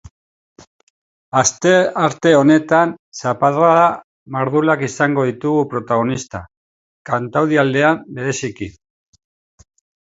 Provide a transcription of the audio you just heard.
Astearte honetan zaparrada mardulak izango ditugu protagonista, kantaurialdean bereziki.